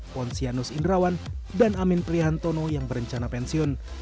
pontianus indrawan dan amin prihantono yang berencana pensiun